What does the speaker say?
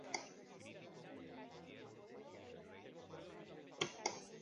La biblioteca actual es el doble del tamaño original del edificio.